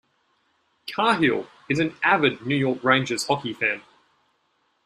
Cahill is an avid New York Rangers hockey fan.